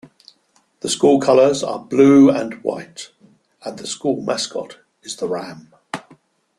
The school colors are blue and white and the school mascot is the ram.